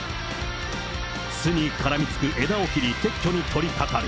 巣に絡みつく枝を切り、撤去に取りかかる。